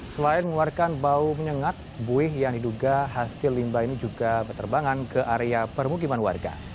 selain mengeluarkan bau menyengat buih yang diduga hasil limbah ini juga berterbangan ke area permukiman warga